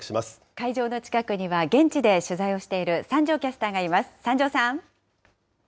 会場の近くには現地で取材をしている三條キャスターがいます。